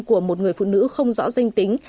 của một người phụ nữ không rõ danh tính